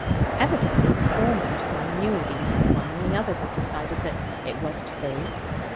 Evidently the foremost one knew he could easily win, and the others had decided that 'it was to be.'